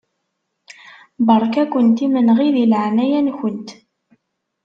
Beṛka-kent imenɣi di leɛnaya-nkent.